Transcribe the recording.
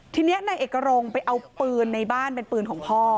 ทีนี้นายเอกรงไปเอาปืนในบ้านเป็นปืนของพ่อ